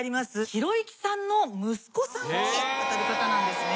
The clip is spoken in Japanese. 啓之さんの息子さんに当たる方なんですね。